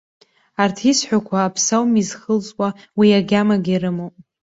Арҭ исҳәақәо аԥсы ами изхылҵуа, уи агьамагьы рымоуп.